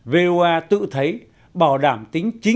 voa tự thấy bảo đảm tính